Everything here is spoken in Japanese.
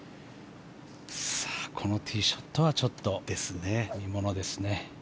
このティーショットはちょっと見ものですね。